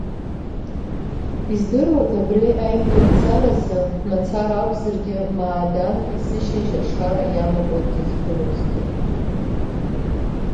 Издыруада, абри аимгеимцаразы мацара акәзаргьы Маадан есышьыжь, ашара иамакуа дызгылозгьы?